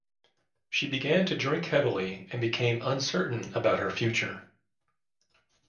She began to drink heavily, and became uncertain about her future.